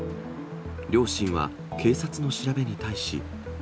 両親は警察の調べに対し。